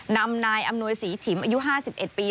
นำนายอำนวยศรีฉิมอายุ๕๑ปี